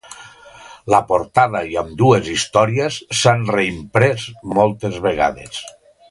La portada i ambdues històries s'han reimprès moltes vegades.